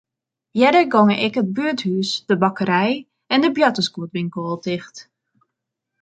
Earder gongen ek it buerthûs, de bakkerij en de boartersguodwinkel al ticht.